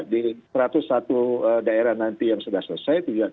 di satu ratus satu daerah nanti yang sudah selesai